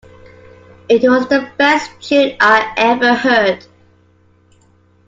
It was the best tune I ever heard.